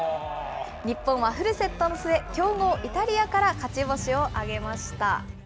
日本はフルセットの末、強豪イタリアから勝ち星を挙げました。